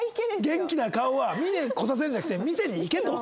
元気な顔は見に来させるんじゃなくて見せに行けと。